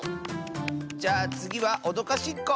じゃあつぎはおどかしっこ！